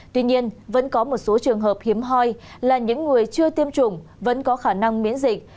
tuy nhiên vẫn có một số trường hợp hiếm hoi là những người chưa tiêm chủng vẫn có khả năng miễn dịch